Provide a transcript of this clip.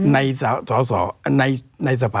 ในสาวสอในสะพะ